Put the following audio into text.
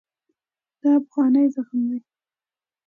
دا پخوانی زخم دی.